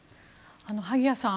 萩谷さん